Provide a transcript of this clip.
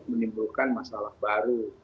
menimbulkan masalah baru